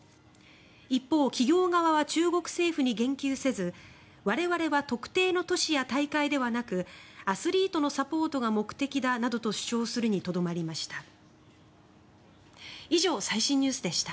一方、企業側は中国政府に言及せず我々は特定の都市や大会ではなくアスリートのサポートが目的だなどと主張するにとどまりました。